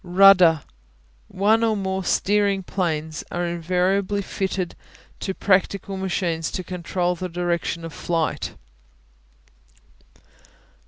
Rudder One or more steering planes are invariably fitted to practical machines to control the direction of flight.